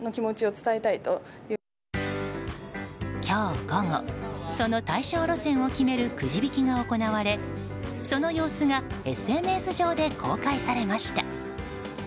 今日午後その対象路線を決めるくじ引きが行われ、その様子がＳＮＳ上で公開されました。